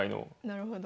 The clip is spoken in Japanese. なるほど。